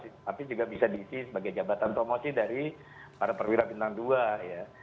tapi juga bisa diisi sebagai jabatan promosi dari para perwira bintang dua ya